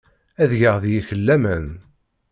Ad yeg deg-k laman.